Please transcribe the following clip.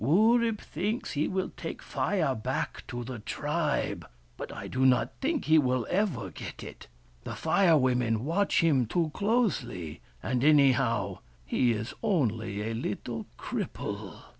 " Wurip thinks he will take Fire back to the tribe. But I do not think he will ever get it. The Fire Women watch him too closely — and anyhow, he is only a little cripple."